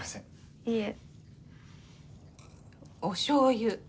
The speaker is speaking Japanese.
いえ。おしょうゆ。